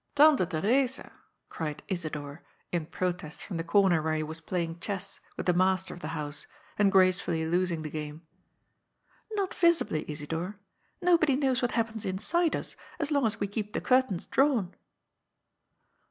" Tante Theresa !" cried Isidor, in protest from the comer where he was playing chess with the master of the house, and gracefully losing the game. " Not visibly, Isidor. Nobody knows what happens in side us as long as we keep the curtains drawn."